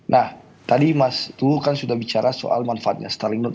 nah tadi mas tu kan sudah bicara soal manfaatnya starlink